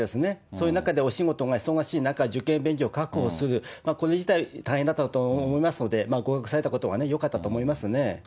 そういう中でお仕事が忙しい中、受験勉強を確保する、これ自体、大変だったと思いますので、まあ合格されたことはよかったと思いますね。